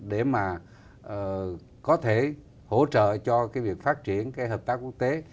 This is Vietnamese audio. để mà có thể hỗ trợ cho cái việc phát triển cái hợp tác quốc tế